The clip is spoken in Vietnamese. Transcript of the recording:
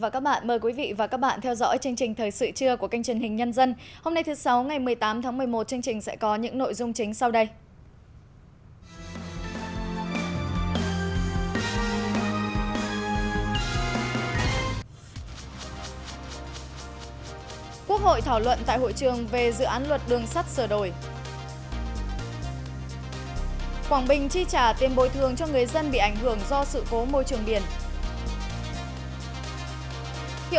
các bạn hãy đăng ký kênh để ủng hộ kênh của chúng mình nhé